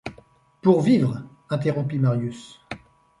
Pour vivre ! interrompit Marius.